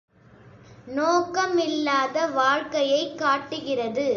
நோக்கமில்லாத வாழ்க்கையைக் காட்டுகிறது.